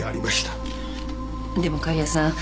でも狩矢さん。